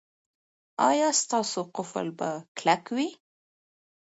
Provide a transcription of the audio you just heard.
ایا ستاسو قفل به کلک وي؟